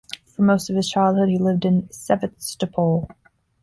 For most of his childhood he lived in Sevastopol.